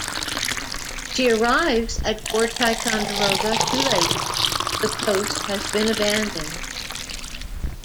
She arrives at Fort Ticonderoga too late; the post has been abandoned.